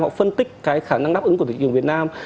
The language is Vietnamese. họ phân tích cái khả năng đáp ứng của thị trường việt nam